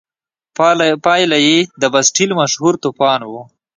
پایله یې د باسټیل مشهور توپان و.